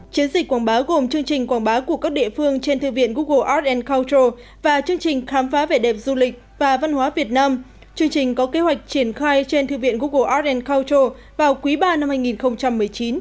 chiến dịch quảng bá gồm chương trình quảng bá của các địa phương trên thư viện google arts culture và chương trình khám phá vẻ đẹp du lịch và văn hóa việt nam chương trình có kế hoạch triển khai trên thư viện google arts culture vào quý ba năm hai nghìn một mươi chín